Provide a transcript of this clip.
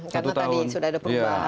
karena tadi sudah ada perubahan